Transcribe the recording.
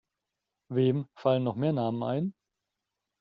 Wem fallen noch mehr Namen ein?